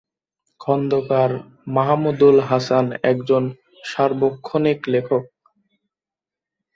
খন্দকার মাহমুদুল হাসান একজন সার্বক্ষণিক লেখক।